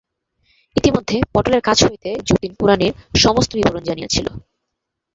ইতিমধ্যে পটলের কাছ হইতে যতীন কুড়ানির সমস্ত বিবরণ জানিয়াছিল।